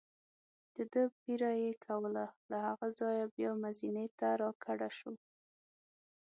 دده پیره یې کوله، له هغه ځایه بیا مزینې ته را کډه شو.